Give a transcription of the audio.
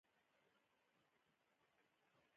د کارګرانو لپاره ټاکل شوي هدف ته رسېدو اسانه لار ناغېړي وه